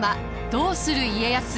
「どうする家康」。